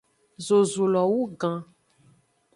Zozulo wu gan.